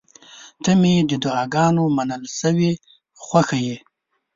• ته مې د دعاګانو منل شوې خوښه یې.